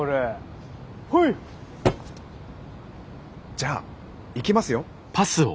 じゃあいきますよ。